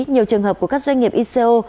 nhiều trường hợp của các doanh nghiệp ico